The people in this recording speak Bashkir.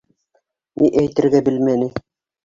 Ни әйтергә белмәне.